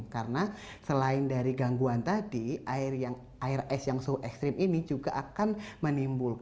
karena selain dari gangguan tadi air es yang suhu ekstrim ini juga akan menimbulkan